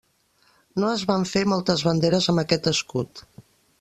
No es van fer moltes banderes amb aquest escut.